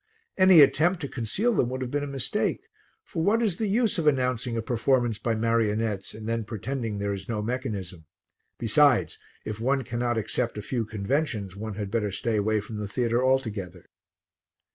Any attempt to conceal them would have been a mistake, for what is the use of announcing a performance by marionettes and then pretending there is no mechanism? Besides, if one cannot accept a few conventions one had better stay away from the theatre altogether.